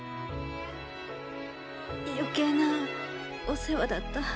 余計なお世話だった？